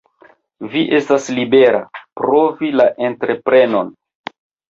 Vi estas libera, provi la entreprenon.